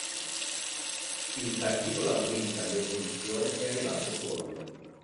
Il Partito Laburista di opposizione è arrivato secondo.